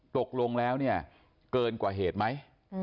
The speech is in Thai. ตกลงแล้วเนี่ยเกินกว่าเหตุไหม